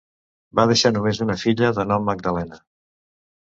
Va deixar només una filla de nom Magdalena.